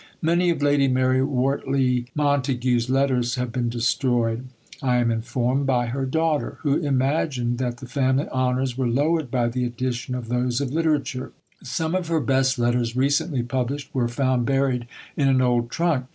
Many of Lady Mary Wortley Montague's letters have been destroyed, I am informed, by her daughter, who imagined that the family honours were lowered by the addition of those of literature: some of her best letters, recently published, were found buried in an old trunk.